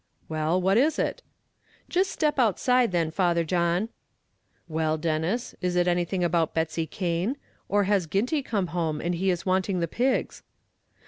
"Well, what is it?" "Jist step outside then, Father John." "Well, Denis; is it anything about Betsy Cane? or has Ginty come home, and is he wanting the pigs?"